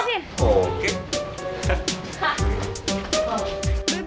ban mobilnya dia juga